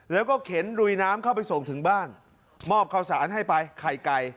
แล้วก็เข็นลุยน้ำเข้าไปส่งถึงบ้านมอบข้าวสารให้ไปไข่ไก่